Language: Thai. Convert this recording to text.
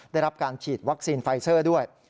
ได้รับการฉีดวัคซีนไฟเซอร์ด้วย